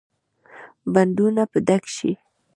بندونه به ډک شي؟